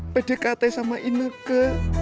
pdkt sama ineke